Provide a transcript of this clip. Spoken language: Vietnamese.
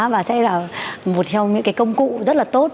và sẽ là một trong những cái công cụ rất là tốt